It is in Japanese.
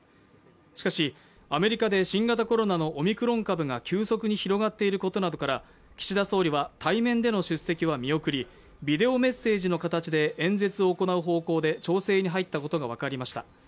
しかし、アメリカで新型コロナのオミクロン株が急速に広がっていることなどから岸田総理は対面での出席は見送りビデオメッセージの形で演説を行う方向で調整に入ったことが分かりました。